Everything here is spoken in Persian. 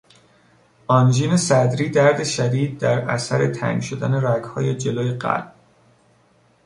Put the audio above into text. آنژین صدری، درد شدید در اثر تنگ شدن رگهای جلوی قلب